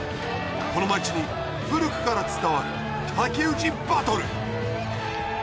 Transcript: この町に古くから伝わる竹打ちバトル。